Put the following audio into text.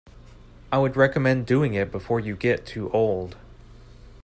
I would recommend doing it before you get too old.